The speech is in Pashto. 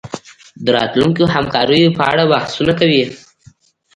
د راتلونکو همکاریو په اړه بحثونه کوي